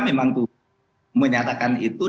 memang tuh menyatakan itu